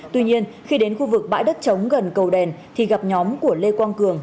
tuy nhiên khi đến khu vực bãi đất chống gần cầu đèn thì gặp nhóm của lê quang cường